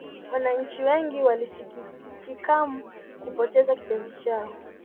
Wananchi wengi walisikitikam kupoteza kipenzi chao